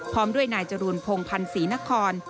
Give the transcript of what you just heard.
พร้อมด้วยนายจรูนพงพันธ์ศรีนคร